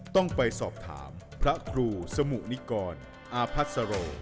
ต้องไปสอบถามพระครูสมุนิกรอาพัสโร